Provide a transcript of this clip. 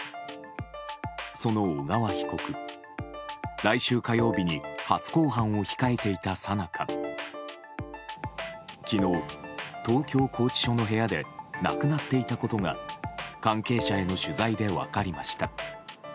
その小川被告、来週火曜日に初公判を控えていたさなか昨日、東京拘置所の部屋で亡くなっていたことが関係者への取材で分かりました。